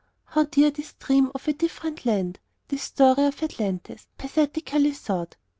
How dear this dream of a different land, this story of Atlantis, pathetically sought!